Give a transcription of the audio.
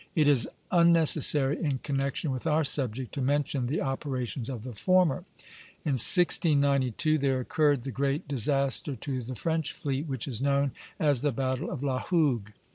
It is unnecessary in connection with our subject to mention the operations of the former. In 1692 there occurred the great disaster to the French fleet which is known as the battle of La Hougue.